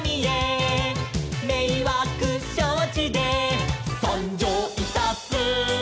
「めいわくしょうちでさんじょういたす」